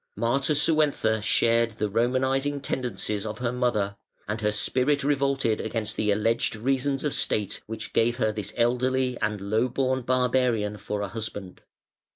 Matasuentha shared the Romanising tendencies of her mother, and her spirit revolted against the alleged reasons of state which gave her this elderly and low born barbarian for a husband.